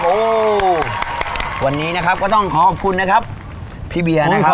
โอ้วันนี้นะครับก็ต้องขอขอบคุณนะครับพี่เบียร์นะครับ